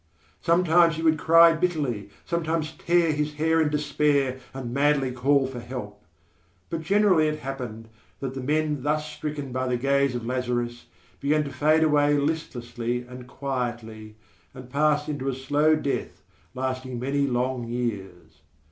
Sometimes he would cry bitterly, sometimes tear his hair in despair and madly call for help; but generally it happened that the men thus stricken by the gaze of Lazarus began to fade away listlessly and quietly and pass into a slow death lasting many long years.